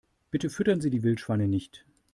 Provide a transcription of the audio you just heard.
Bitte füttern Sie die Wildschweine nicht!